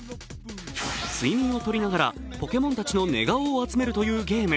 睡眠をとりながらポケモンたちの寝顔を集めるというゲーム。